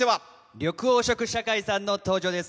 緑黄色社会さんの登場です。